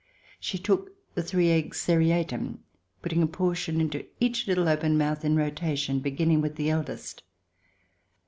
She took the three eggs seriatim, putting a portion into each little open mouth in rotation, beginning with the eldest.